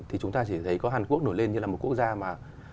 thì chúng ta chỉ thấy có hàn quốc nổi lên như là một quốc gia mà